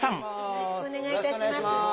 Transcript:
よろしくお願いします。